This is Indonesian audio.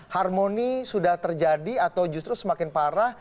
harmoni sudah terjadi atau justru semakin parah